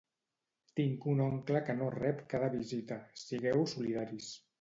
Tinc un oncle que no rep cap visita, sigueu solidaris